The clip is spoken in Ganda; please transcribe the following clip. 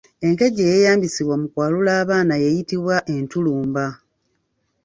Enkejje eyeeyambisibwa mu kwalula abaana y’eyitibwa Entulumba.